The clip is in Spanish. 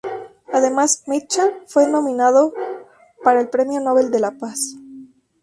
Además, Mitchell fue nominado para el Premio Nobel de la Paz.